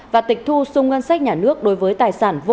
và tịch thu xung ngân sách nhà nước đối với tài năng